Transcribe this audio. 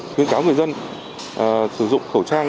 khuyến cáo người dân sử dụng khẩu trang